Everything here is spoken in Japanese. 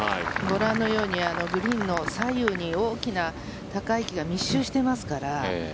ご覧のようにグリーンに左右に高い木が密集していますから。